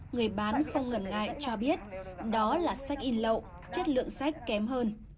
người bán không ngần ngại cho biết đó là sách in lậu chất lượng sách kém hơn